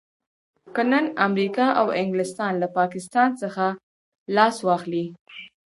که نن امريکا او انګلستان له پاکستان څخه لاس واخلي.